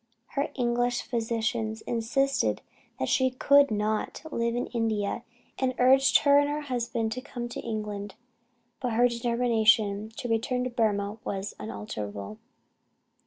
Her English physicians insisted that she could not live in India, and urged her and her husband to come to England, but her determination to return to Burmah was unalterable.